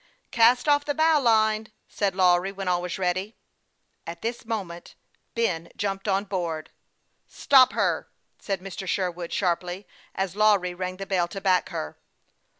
" Cast off the bow line," said Lawry, when all was ready. At this moment Ben jumped on board. " Stop her !" said Mr. Sherwood, sharply, as Lawry rang the bell to back her.